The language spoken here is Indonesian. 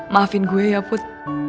maafin gue ya put